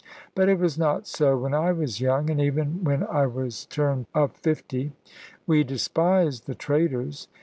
But it was not so, when I was young; and even when I was turned of fifty, we despised the traders.